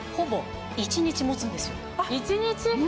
１日。